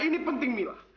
ini penting mila